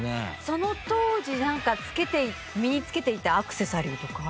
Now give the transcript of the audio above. その当時なんか身につけていたアクセサリーとか？